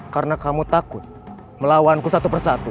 karena kamu takut melawanku satu persatu